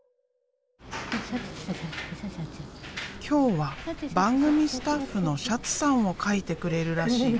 今日は番組スタッフのシャツさんを描いてくれるらしい。